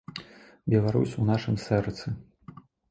Беларусь у нашым сэрцы.